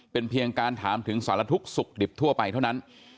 เป็นเพียงการถามถึงสารทุกข์สุขดิบทั่วไปเท่านั้น